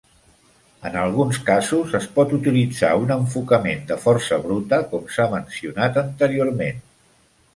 En alguns casos, es pot utilitzar un enfocament de força bruta, com s'ha mencionat anteriorment.